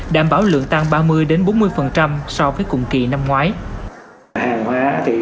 đảm bảo lượng tăng ba mươi bốn mươi so với cùng kỳ năm ngoái